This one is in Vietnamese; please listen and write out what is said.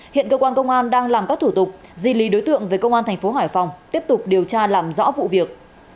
hiện cơ quan công an đang làm các thủ tục di lý đối tượng về công an thành phố hải phòng tiếp tục điều tra làm rõ vụ việc